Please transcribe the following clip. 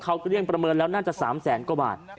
เขาเกลี้ยงประเมินแล้วน่าจะ๓แสนกว่าบาท